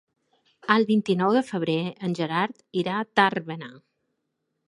El vint-i-nou de febrer en Gerard irà a Tàrbena.